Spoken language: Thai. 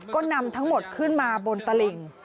ก็นำทั้งหมดขึ้นมาบนตลิ่ง